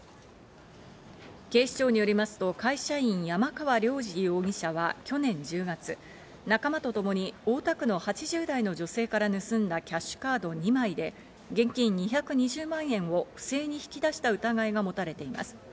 警視庁によりますと会社員の山川良二容疑者は去年１０月、仲間とともに大田区の８０代の女性から盗んだキャッシュカード２枚で現金２２０万円を不正に引き出した疑いが持たれています。